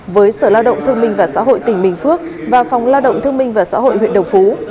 với sở lao động thương minh và xã hội tỉnh bình phước và phòng lao động thương minh và xã hội huyện đồng phú